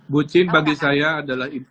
bucin bagi saya adalah